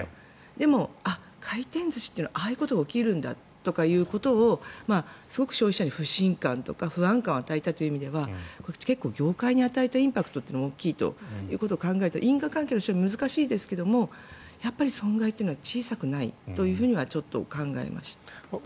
でも、回転寿司っていうのはああいうことが起きるんだというようなことをすごく消費者に不信感とか不安感を与えたという意味では結構、業界に与えたインパクトも大きいということを考えると因果関係の証明は難しいですがやっぱり損害というのは小さくないとは考えました。